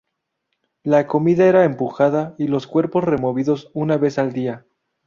La comida era empujada y los cuerpos removidos una vez al día.